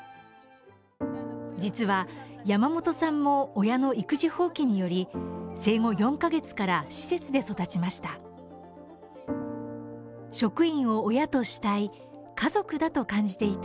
実は山本さんも親の育児放棄により生後４カ月から施設で育ちました。